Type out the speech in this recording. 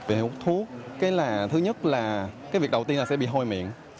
về hút thuốc thứ nhất là cái việc đầu tiên là sẽ bị hôi miệng